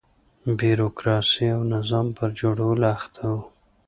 بیروکراسۍ او نظام پر جوړولو اخته و.